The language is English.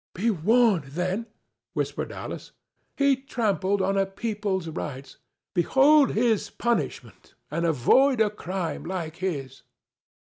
"Be warned, then," whispered Alice. "He trampled on a people's rights. Behold his punishment, and avoid a crime like his."